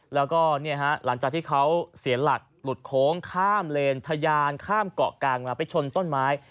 แล้วก็หลังจากที่เขาเสียหลักหลุดโค้งข้ามเลนทะยานข้ามเกาะกลางมาไปชนต้นไม้